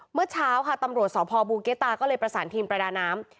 เมื่อเช้าค่ะตำรวจสพบูเกตาก็เลยประสานทีมประดาน้ำ